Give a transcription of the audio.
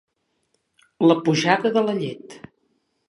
La pujada de la llet.